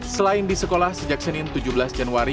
selain di sekolah sejak senin tujuh belas januari